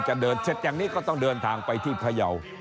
จากนี้ก็ต้องเดินทางไปที่พยาว